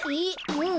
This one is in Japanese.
うん。